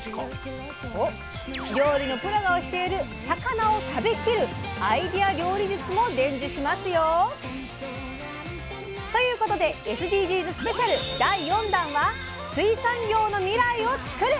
料理のプロが教える魚を食べきるアイデア料理術も伝授しますよ。ということでＳＤＧｓスペシャル第４弾は水産業の未来をつくる！